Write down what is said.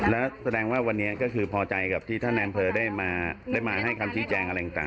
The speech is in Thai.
แล้วแสดงว่าวันนี้ก็คือพอใจกับที่ท่านนายอำเภอได้มาให้คำชี้แจงอะไรต่าง